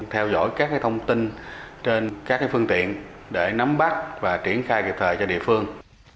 theo dõi các thông tin trên các phương tiện để nắm bắt và triển khai kịp thời cho địa phương